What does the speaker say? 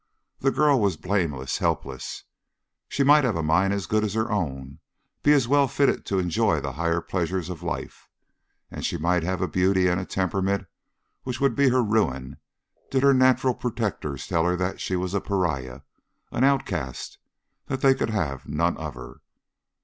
The girl was blameless, helpless. She might have a mind as good as her own, be as well fitted to enjoy the higher pleasures of life. And she might have a beauty and a temperament which would be her ruin did her natural protectors tell her that she was a pariah, an outcast, that they could have none of her.